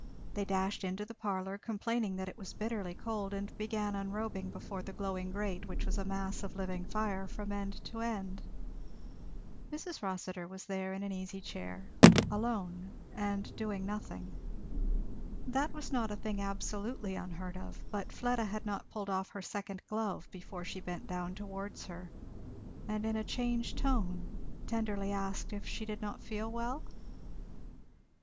They dashed into the parlour, complaining that it was bitterly cold, and began unrobing before the glowing grate, which was a mass of living fire from end to end. Mrs. Rossitur was there in an easy chair, alone and doing nothing. That was not a thing absolutely unheard of, but Fleda had not pulled off her second glove before she bent down towards her and in a changed tone tenderly asked if she did not feel well?